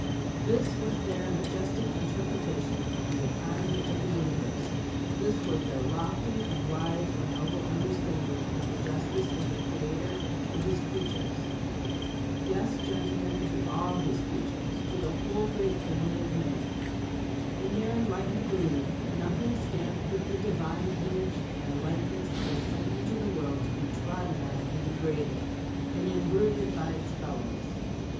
This was their majestic interpretation of the economy of the Universe. This was their lofty, and wise, and noble understanding of the justice of the Creator to his creatures. Yes, gentlemen, to all his creatures, to the whole great family of man. In their enlightened belief, nothing stamped with the Divine image and likeness was sent into the world to be trodden on and degraded, and imbruted by its fellows.